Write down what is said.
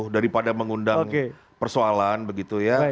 daripada mengundang persoalan begitu ya